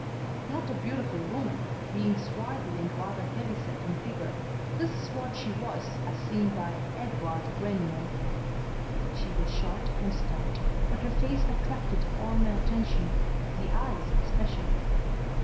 Not a beautiful woman, being swarthy and rather heavy set in figure, this is what she was, as seen by Edouard Grenier: She was short and stout, but her face attracted all my attention, the eyes especially.